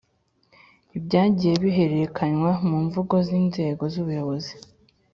Ibyagiye bihererekanywa mu mvugo z inzego z ubuyobozi